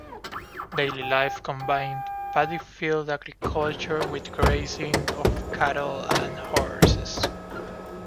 Daily life combined paddy field agriculture with grazing of cattle and horses.